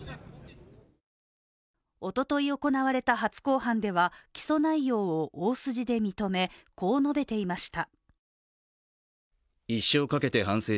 おととい行われた初公判では起訴内容を大筋で認め、こう述べていました。